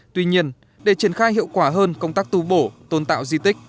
tuy nhiên để triển khai hiệu quả hơn công tác tu bổ tôn tạo di tích